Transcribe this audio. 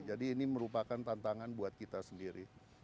jadi ini merupakan tantangan buat kita sendiri